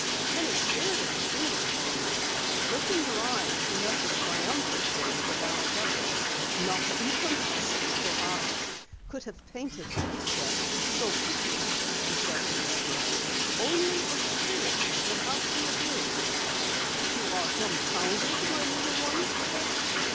Penny stared at her finger a moment. Lifting her eyes she met the triumphant gaze of Al Gepper. "Not even a skillful artist could have painted a picture so quickly," he said with a smirk. "Only a spirit would have the ability. You are dumbfounded, my little one?"